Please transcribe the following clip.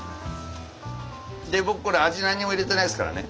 僕これ味何も入れてないですからね。